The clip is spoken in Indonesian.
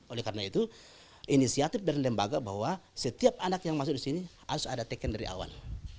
oleh karena itu inisiatif dari lembaga bahwa setiap anak yang masuk di sini harus ada taken dari awal